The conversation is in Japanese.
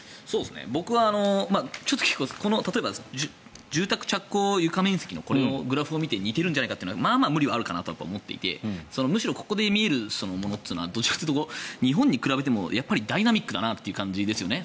僕は例えば住宅着工床面積のこのグラフを見て似ているんじゃないかというのはまあまあ無理はあるかなと思っていてここで見えるものはどちらかというと日本に比べてもダイナミックだなという感じですよね。